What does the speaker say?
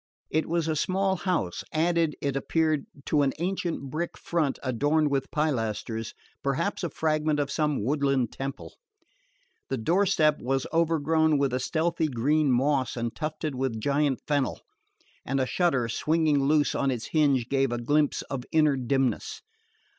It was a small house, added, it appeared, to an ancient brick front adorned with pilasters, perhaps a fragment of some woodland temple. The door step was overgrown with a stealthy green moss and tufted with giant fennel; and a shutter swinging loose on its hinge gave a glimpse of inner dimness.